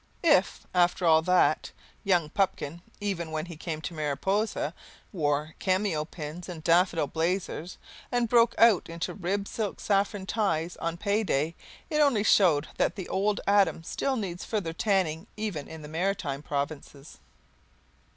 If, after all that, young Pupkin, even when he came to Mariposa, wore cameo pins and daffodil blazers, and broke out into ribbed silk saffron ties on pay day, it only shows that the old Adam still needs further tanning even in the Maritime Provinces.